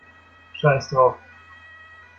Scheiß drauf!